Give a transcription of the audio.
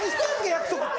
約束。